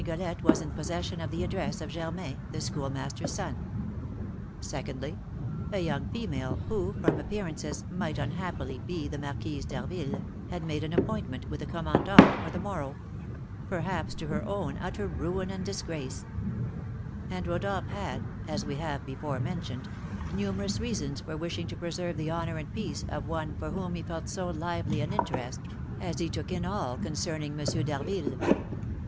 Rigolette was in possession of the address of Germain, the Schoolmaster's son. Secondly, a young female, who, from appearances, might unhappily be the Marquise d'Harville, had made an appointment with the commandant for the morrow, perhaps to her own utter ruin and disgrace; and Rodolph had (as we have before mentioned) numerous reasons for wishing to preserve the honour and peace of one for whom he felt so lively an interest as he took in all concerning M. d'Harville.